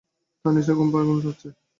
তাঁর নিজেরই ঘুম ঘুম পাচ্ছে।